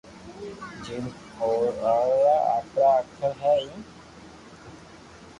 جيم اردو را آپرا اکر ھي ايم